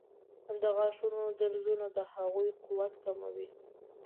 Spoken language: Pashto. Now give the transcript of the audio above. د غاښونو درزونه د هغوی قوت کموي.